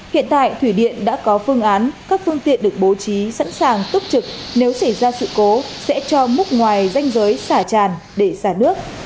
hiện tại thủy điện đã có phương án các phương tiện được bố trí sẵn sàng túc trực nếu xảy ra sự cố sẽ cho múc ngoài danh giới xả tràn để xả nước